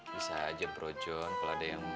bisa aja bro john kalo ada yang